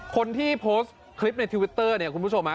คนที่โพสต์คลิปในทวิตเตอร์เนี่ยคุณผู้ชมฮะ